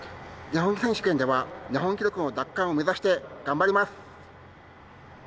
日本選手権では日本記録の奪還を目指して頑張ります。